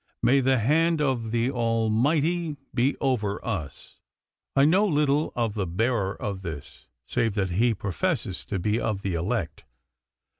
May the hand of the Almighty be over us! 'I know little of the bearer of this, save that he professes to be of the elect.